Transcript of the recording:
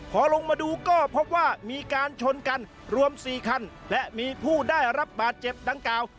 พอลงมาดูก็พบว่ามีการชนกันรวม๔คันและมีผู้ได้รับบาดเจ็บดังกล่าว